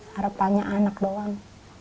harapannya anak doang